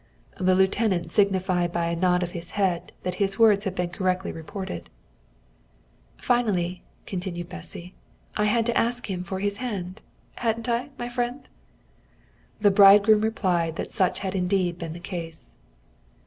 '" The lieutenant signified by a nod of his head that his words had been correctly reported. "Finally," continued Bessy, "I had to ask for his hand hadn't I, my friend?" The bridegroom replied that such had indeed been the case.